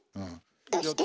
どうして？